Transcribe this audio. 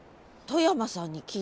外山さん。